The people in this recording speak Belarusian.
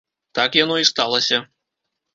Так яно і сталася.